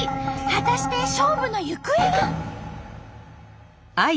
果たして勝負の行方は？